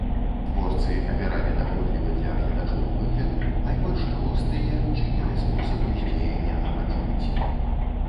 Творцы абіралі даходлівы для гледачоў выгляд, найбольш просты і адчынены спосаб уздзеяння на пачуцці.